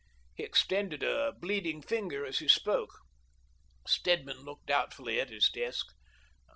" He extended a bleeding finger as he spoke. Stedman looked doubtfully at his desk.